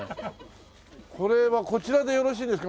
これはこちらでよろしいですか？